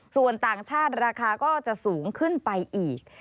ส่วนต่างชาติราคาก็จะสูงขึ้นไปอีก